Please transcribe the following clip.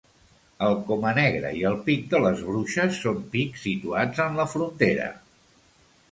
El Comanegra i el Pic de les Bruixes són pics situats en la frontera.